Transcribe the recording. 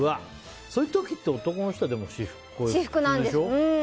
そういう時って男の人は私服でしょ？